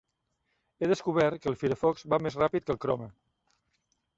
He descobert que el Firefox va més ràpid que el Chrome.